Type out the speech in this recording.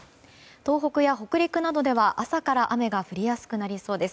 東北や北陸などでは、朝から雨が降りやすくなりそうです。